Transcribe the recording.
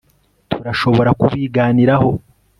Turashobora kubiganiraho